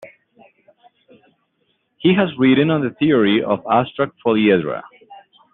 He has written on the theory of abstract polyhedra.